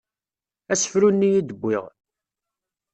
Asefru-nni i d-wwiɣ.